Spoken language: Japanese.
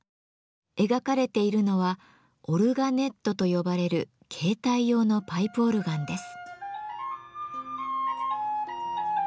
描かれているのは「オルガネット」と呼ばれる携帯用のパイプオルガンです。